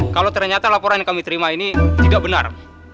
kalau ternyata laporan yang kami terima ini tidak benar